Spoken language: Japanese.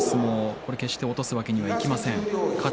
これを決して落とすわけにはいきません。